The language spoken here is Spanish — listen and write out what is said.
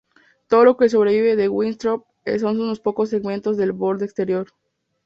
Todo lo que sobrevive de Winthrop son unos pocos segmentos del borde exterior.